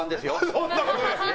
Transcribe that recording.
そんなことないですよ。